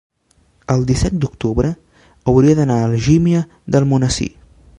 El disset d'octubre hauria d'anar a Algímia d'Almonesir.